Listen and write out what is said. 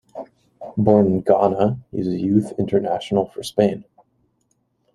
Born in Ghana, he is a youth international for Spain.